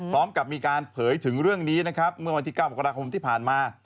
พร้อมกับมีการเผยถึงเรื่องนี้นะครับเมื่อวันที่๙มกราคมที่ผ่านมา